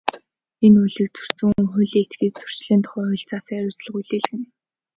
Энэ хуулийг зөрчсөн хүн, хуулийн этгээдэд Зөрчлийн тухай хуульд заасан хариуцлага хүлээлгэнэ.